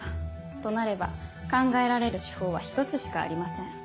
となれば考えられる手法は一つしかありません。